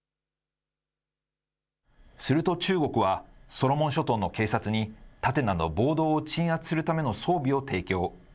すると中国は、ソロモン諸島の警察に盾など、暴動を鎮圧するための装備を提供。